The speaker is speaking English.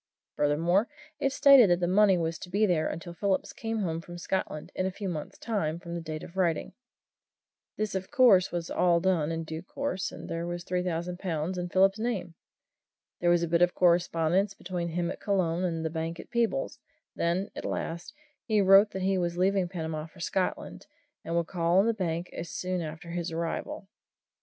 Furthermore, it stated that the money was to be there until Phillips came home to Scotland, in a few months' time from the date of writing. This, of course, was all done in due course there was the three thousand pounds in Phillips's name. There was a bit of correspondence between him at Colon and the bank at Peebles then, at last, he wrote that he was leaving Panama for Scotland, and would call on the bank soon after his arrival.